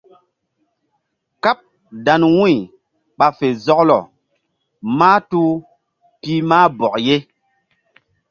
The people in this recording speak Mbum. Káɓ dan wu̧y ɓa fe zɔklɔ mahtuh pih mah bɔk ye.